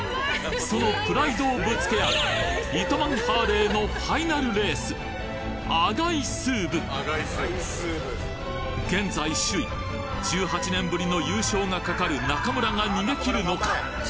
そのプライドをぶつけ合う糸満ハーレーの現在首位１８年ぶりの優勝がかかる中村が逃げ切るのか？